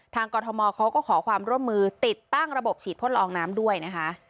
กรทมเขาก็ขอความร่วมมือติดตั้งระบบฉีดทดลองน้ำด้วยนะคะ